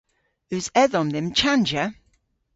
Eus edhom dhymm chanjya?